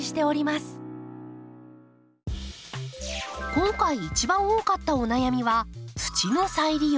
今回一番多かったお悩みは土の再利用。